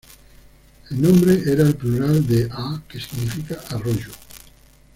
El nombre era el plural de "á", que significa "arroyo".